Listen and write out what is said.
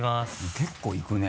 結構いくね。